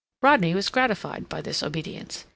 Rodney was gratified by this obedience.